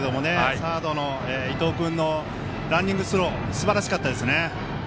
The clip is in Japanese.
サードの伊藤君のランニングスローすばらしかったですね。